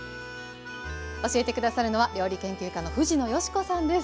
教えて下さるのは料理研究家の藤野嘉子さんです。